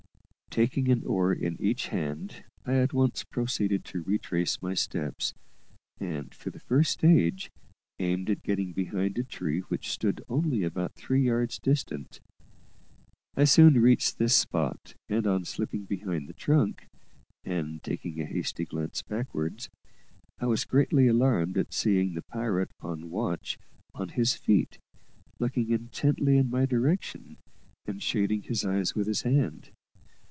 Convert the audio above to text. Taking an oar in each hand, I at once proceeded to retrace my steps, and, for the first stage, aimed at getting behind a tree which stood only about three yards distant. I soon reached this spot, and on slipping behind the trunk, and taking a hasty glance backward, I was greatly alarmed at seeing the pirate on watch on his feet, looking intently in my direction, and shading his eyes with his hand.